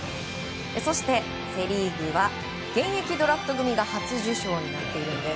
そして、セ・リーグは現役ドラフト組が初受賞になっています。